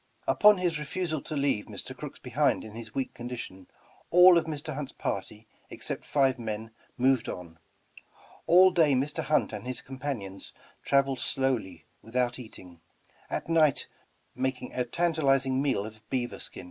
Upon his refusal to leave Mr. Crooks behind in his weak condition, all of Mr. Hunt's party, except five men, moved on. All day Mr. Hunt and his companions traveled slowly without eating, at night making a tan talizing meal of beaver skin.